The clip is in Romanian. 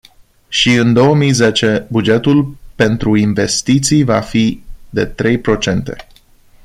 Și în două mii zece, bugetul pentru investiții va fi de trei procente.